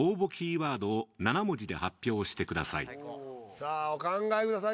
さあお考えください。